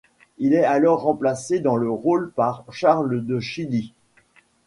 Il est alors remplacé dans le rôle par Charles de Chilly.